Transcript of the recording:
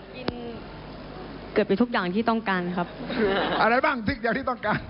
กินเกือบไปทุกอย่างที่ต้องการครับอะไรบ้างซิกอย่างที่ต้องการ